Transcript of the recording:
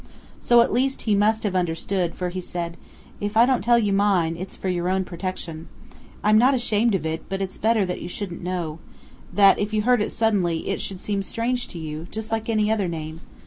So at least he must have understood, for he said: "If I don't tell you mine, it's for your own protection. I'm not ashamed of it; but it's better that you shouldn't know that if you heard it suddenly, it should be strange to you, just like any other name.